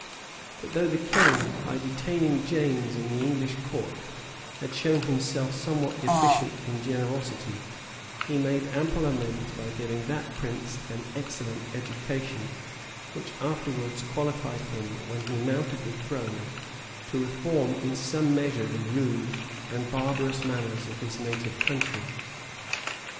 But though the king, by detaining James in the English court, had shown himself somewhat deficient in generosity, he made ample amends by giving that prince an excellent education, which afterwards qualified him, when he mounted the throne, to reform in some measure the rude and barbarous manners of his native country.